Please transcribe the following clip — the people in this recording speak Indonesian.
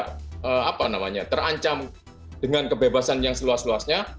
mereka yang tidak terancam dengan kebebasan yang seluas luasnya